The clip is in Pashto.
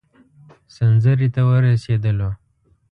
سنځري ته ورسېدلو.